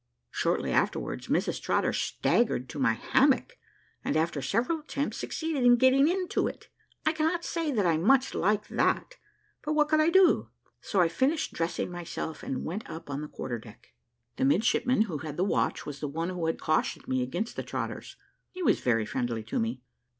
Shortly afterwards, Mrs Trotter staggered to my hammock, and, after several attempts, succeeded in getting into it. I cannot say that I much liked that, but what could I do? So I finished dressing myself, and went up on the quarter deck. The midshipman who had the watch was the one who had cautioned me against the Trotters; he was very friendly to me.